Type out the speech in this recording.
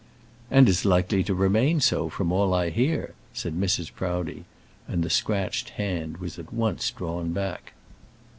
"And is likely to remain so, from all I hear," said Mrs. Proudie, and the scratched hand was at once drawn back.